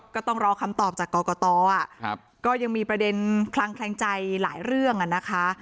ก็ต้องรอคำตอบจากกรกตก็ยังมีประเด็นคลังแคลงใจหลายเรื่องนะคะ